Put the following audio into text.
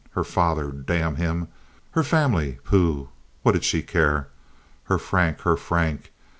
Her father—damn him! Her family—pooh! What did she care? Her Frank—her Frank.